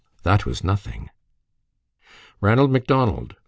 that was nothing." "Ranald Macdonald!"